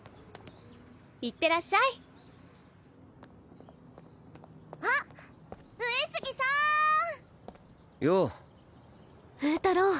行ってらっしゃいあっ上杉さんようフータロー